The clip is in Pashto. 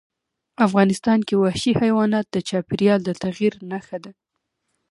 افغانستان کې وحشي حیوانات د چاپېریال د تغیر نښه ده.